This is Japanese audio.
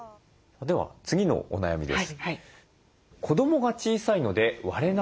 では次のお悩みです。